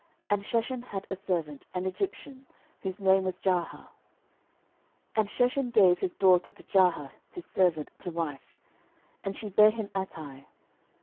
And Sheshan had a servant, an Egyptian, whose name was Jarha. 13:002:035 And Sheshan gave his daughter to Jarha his servant to wife; and she bare him Attai.